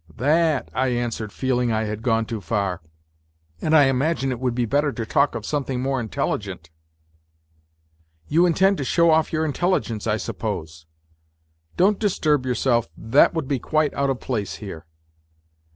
" Tha at," I answered, feeling I had gone too far, " and I imagine it would be better to talk of something more intelligent." ;' You intend to show off your intelligence, I suppose ?"" Don't disturb yourself, that would be quite out of place here."